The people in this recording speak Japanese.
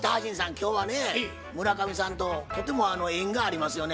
今日はね村上さんととても縁がありますよね